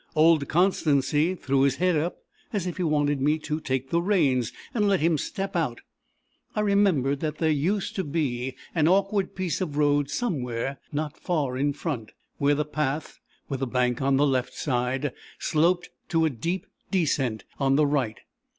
Old Constancy threw his head up, as if he wanted me to take the reins, and let him step out. I remembered that there used to be an awkward piece of road somewhere not far in front, where the path, with a bank on the left side, sloped to a deep descent on the right.